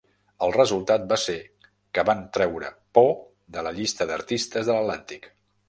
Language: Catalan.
El resultat va ser que van treure Poe de la llista d'artistes de l'Atlàntic.